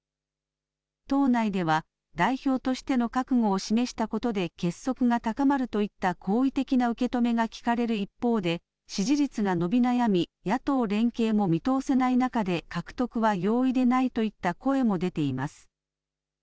党内では、代表としての覚悟を示したことで結束が高まるといった好意的な受け止めが聞かれる一方で、支持率が伸び悩み、野党連携も見通せない中で、獲得は容易でないといった声も出ています。